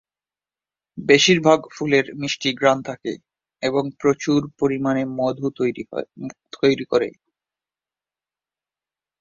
বেশির ভাগ ফুলের মিষ্টি ঘ্রাণ থাকে এবং প্রচুর পরিমানে মধু তৈরি করে।